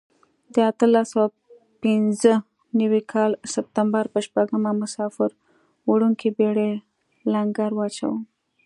د اتلس سوه پنځه نوي کال سپټمبر په شپږمه مسافر وړونکې بېړۍ لنګر واچاوه.